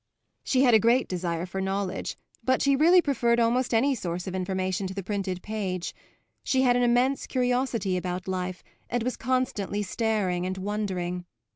She had a great desire for knowledge, but she really preferred almost any source of information to the printed page; she had an immense curiosity about life and was constantly staring and wondering.